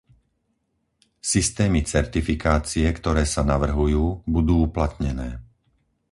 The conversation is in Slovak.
Systémy certifikácie, ktoré sa navrhujú, budú uplatnené.